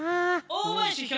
大林